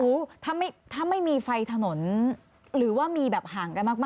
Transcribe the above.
อู๋ถ้าไม่ถ้าไม่มีไฟถนนหรือว่ามีแบบห่างกันมาก